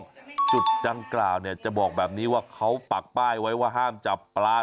แล้วจุดดังกล่าวเนี่ยจะบอกแบบนี้ว่าเขาปักป้ายไว้ว่าห้ามจับปลา